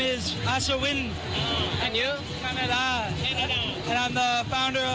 ที่สนชนะสงครามเปิดเพิ่ม